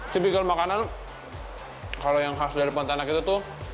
tipikal makanan kalau yang khas dari pontianak itu tuh